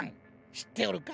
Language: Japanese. しっておるか？